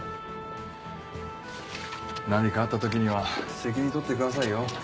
何かあった時には責任取ってくださいよ。